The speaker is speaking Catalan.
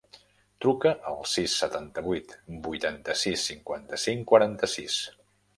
Truca al sis, setanta-vuit, vuitanta-sis, cinquanta-cinc, quaranta-sis.